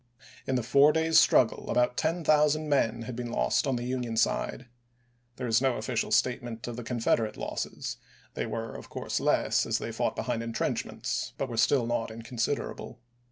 In the four days' struggle about ten thou sand men had been lost on the Union side ; there is no official statement of the Confederate losses — they were, of course, less, as they fought behind intrenchments, but were still not inconsiderable.